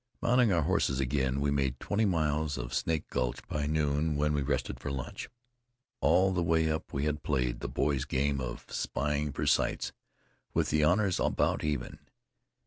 Mounting our horses again, we made twenty miles of Snake Gulch by noon, when we rested for lunch. All the way up we had played the boy's game of spying for sights, with the honors about even.